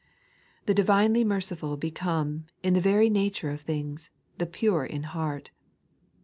The divinely merciful become, in the very nature of things, the pure in heart.